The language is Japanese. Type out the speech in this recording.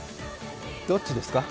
どっちですか？